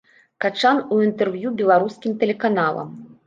Качан у інтэрв'ю беларускім тэлеканалам.